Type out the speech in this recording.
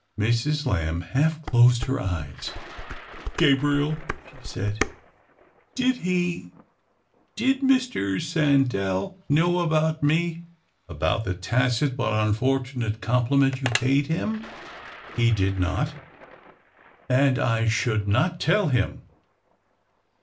Mrs. Lamb half closed her eyes. " Gabriel," she said, " did he — did Mr. Sandell — know about me ?"" About the — tacit but unfortunate com pliment that you paid him? He did not — and I should not tell him."